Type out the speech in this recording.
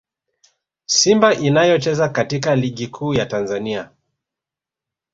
Simba inayocheza katika Ligi Kuu ya Tanzania